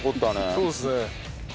そうですね。